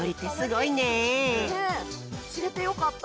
ねっしれてよかった。